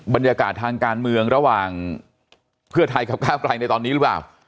บรรยากาศทางการเมืองระหว่างเพื่อไทยกับก้าวไกลในตอนนี้หรือเปล่า